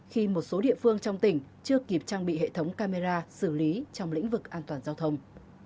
khi một số địa phương trong tỉnh chưa kịp trang bị hệ thống camera xử lý trong lĩnh vực an toàn giao thông